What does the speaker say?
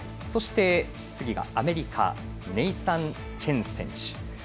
そして、アメリカのネイサン・チェン選手。